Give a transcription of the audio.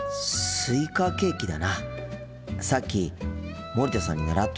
スイカケーキです。